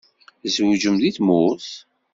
Tzewǧem deg tmurt?